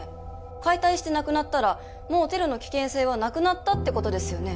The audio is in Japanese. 解体してなくなったらもうテロの危険性はなくなったってことですよね？